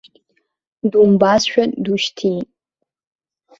Думбазшәа душьҭит.